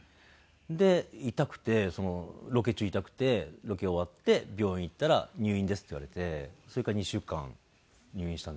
で痛くてロケ中痛くてロケ終わって病院行ったら入院ですって言われてそれから２週間入院したんですね。